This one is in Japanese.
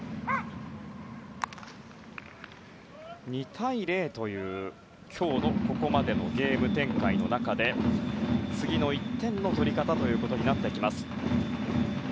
２対０という、今日のここまでのゲーム展開の中で次の１点の取り方となってきます。